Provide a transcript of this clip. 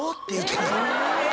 え！